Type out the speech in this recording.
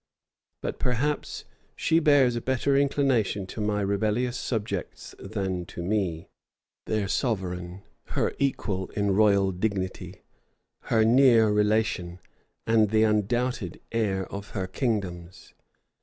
But perhaps she bears a better inclination to my rebellious subjects than to me, their sovereign, her equal in royal dignity, her near relation, and the undoubted heir of her kingdoms.